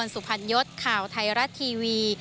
สุพรรณยศข่าวไทยรัฐทีวี